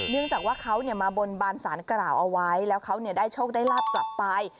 เนื่องจากว่าเขาเนี่ยมาบนบานสารกระเหล่าเอาไว้แล้วเขาเนี่ยได้โชคได้รับกลับไป